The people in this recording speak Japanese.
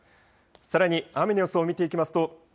さらに雨の予想を見ていきますと